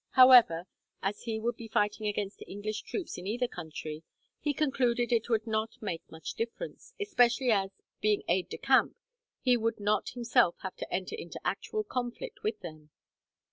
However, as he would be fighting against English troops in either country, he concluded it would not make much difference, especially as, being an aide de camp, he would not himself have to enter into actual conflict with them.